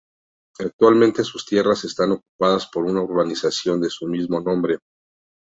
Actualmente sus tierras están ocupadas por una urbanización de su mismo nombre.